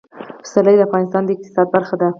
پسرلی د افغانستان د اقتصاد برخه ده.